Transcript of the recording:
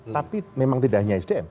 tapi memang tidak hanya sdm